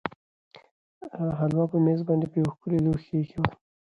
هلوا په مېز باندې په یوه ښکلي لوښي کې ایښې وه.